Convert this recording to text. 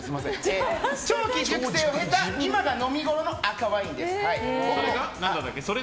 長期熟成を経た今が飲みごろの赤ワインです。